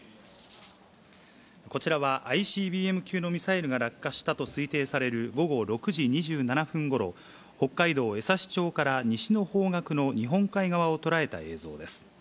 こちらは、ＩＣＢＭ級のミサイルが落下したと推定される午後６時２７分ごろ、北海道江差町から西の方角の日本海側を捉えた映像です。